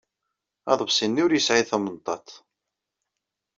Aḍebsi-nni ur yesɛi tamenṭaḍt.